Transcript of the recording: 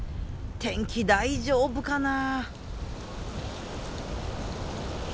天気大丈夫かな？